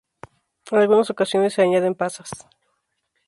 En algunas ocasiones se añaden pasas.